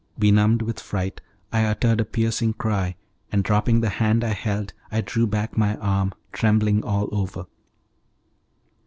Benumbed with fright, I uttered a piercing cry, and, dropping the hand I held, I drew back my arm, trembling all over.